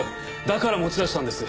だから持ち出したんです！